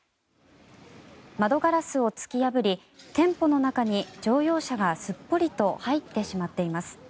窓ガラスを突き破り店舗の中に乗用車がすっぽりと入ってしまっています。